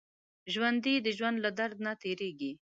ژوندي د ژوند له درد نه تېرېږي